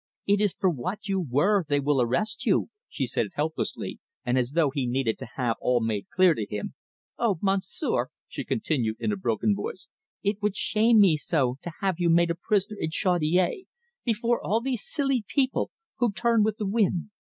"It is for what you were they will arrest you," she said helplessly, and as though he needed to have all made clear to him. "Oh, Monsieur," she continued, in a broken voice, "it would shame me so to have you made a prisoner in Chaudiere before all these silly people, who turn with the wind.